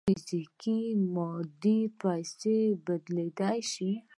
دا په فزیکي یا مادي پیسو بدلېدای شي